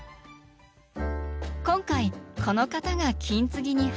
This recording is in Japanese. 今回この方が金継ぎに初挑戦！